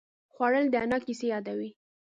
خوړل د انا کیسې یادوي